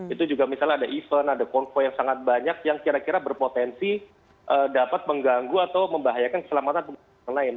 itu juga misalnya ada event ada konvoy yang sangat banyak yang kira kira berpotensi dapat mengganggu atau membahayakan keselamatan pengguna lain